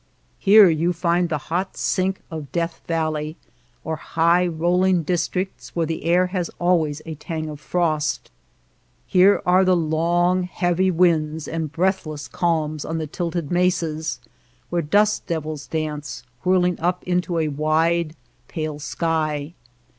Here you find the hot sink of Death Valley, or high roll ing districts where the air has always a tang of frost. Here are the long heavy winds and breathless calms on the tilted mesas where dust devils dance, whirling up into a wide, pale sky.